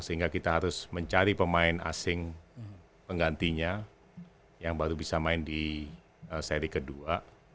sehingga kita harus mencari pemain asing penggantinya yang baru bisa main di seri kedua